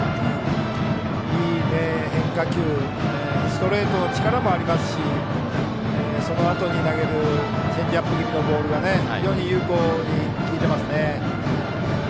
いい変化球ですしストレートに力もありますしそのあとに投げるチェンジアップ気味のボールが非常に有効に効いてますね。